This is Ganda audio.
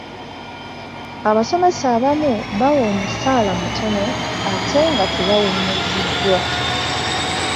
Abasomesa abamu bawa omusaala mutono ate nga tebawummuzibwa.